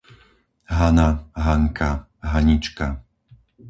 Hana, Hanka, Hanička